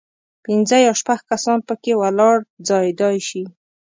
پنځه یا شپږ کسان په کې ولاړ ځایېدای شي.